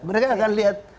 mereka akan lihat